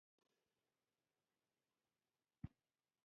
چې خوله خلاصه شي؛ يوه غرمه کور ته درځم.